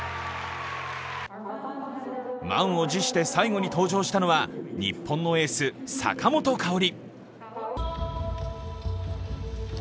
満を持して最後に登場したのは日本のエース・坂本花織。